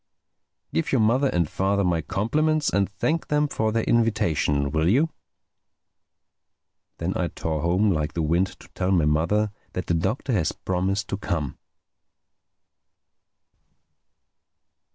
Give your mother and father my compliments and thank them for their invitation, will you?" Then I tore home like the wind to tell my mother that the Doctor had promised to come.